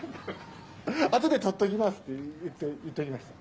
あとで撮っておきますって言っときました。